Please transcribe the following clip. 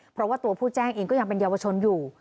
เพราะว่าตัวผู้แจ้งเองก็ยังเป็นเยาวชนอยู่